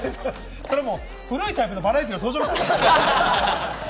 それ古いタイプのバラエティーの登場。